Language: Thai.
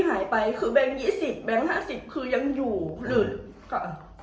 ก็คือแบงค์๒๐บนแบงค์๕๐ยังอยู่หลุด